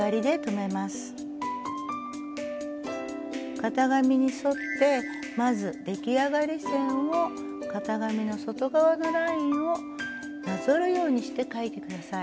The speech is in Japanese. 型紙に沿ってまず出来上がり線を型紙の外側のラインをなぞるようにして書いて下さい。